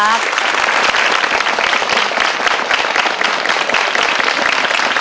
ขอบคุณไปนะครับ